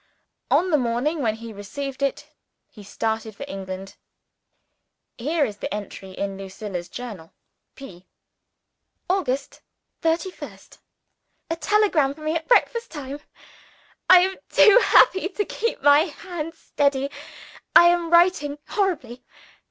On the morning when he received it, he started for England. Here is the entry in Lucilla's journal. P.] August 31st. A telegram for me at breakfast time. I am too happy to keep my hand steady I am writing horribly.